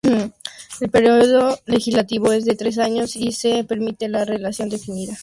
El período legislativo es de tres años y se permite la reelección indefinida.